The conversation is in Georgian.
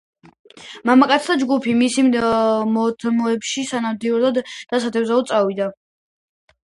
მამაკაცთა ჯგუფი მის მიდამოებში სანადიროდ და სათევზაოდ წავიდა.